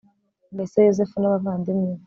mbese yozefu n'abavandimwe be